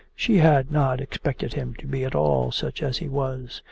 She had not expected him to be at all such as he was.